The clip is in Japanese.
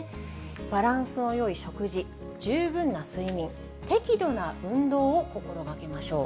バランスのよい食事、十分な睡眠、適度な運動を心がけましょう。